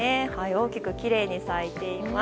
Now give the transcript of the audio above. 大きくきれいに咲いています。